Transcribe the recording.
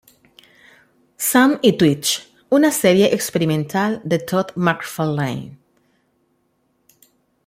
Sam y Twitch una serie experimental de Todd McFarlane.